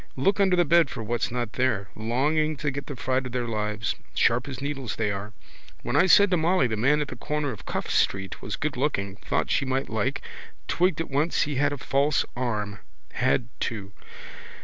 Look under the bed for what's not there. Longing to get the fright of their lives. Sharp as needles they are. When I said to Molly the man at the corner of Cuffe street was goodlooking, thought she might like, twigged at once he had a false arm. Had, too.